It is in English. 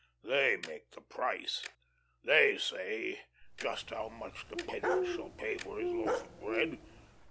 They make the price. They say just how much the peasant shall pay for his loaf of bread.